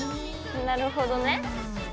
なるほどね。